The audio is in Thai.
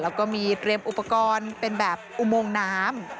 แล้วก็มีเตรียมอุปกรณ์เป็นแบบอุโมงน้ำ